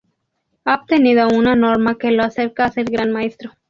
Ha obtenido una norma que lo acerca a ser Gran Maestro.